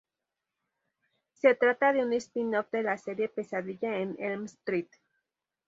Se trata de un spin-off de la serie "Pesadilla en Elm Street".